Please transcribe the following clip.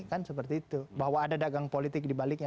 kan seperti itu bahwa ada dagang politik dibaliknya